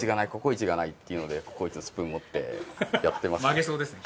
曲げそうですね